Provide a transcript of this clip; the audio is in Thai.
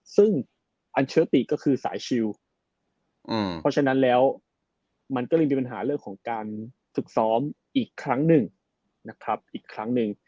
ซึ่งอัลเชอร์ติก็คือสายชิลเพราะฉะนั้นแล้วมันก็เลยมีปัญหาเรื่องของการฝึกซ้อมอีกครั้งหนึ่งนะครับอีกครั้งหนึ่ง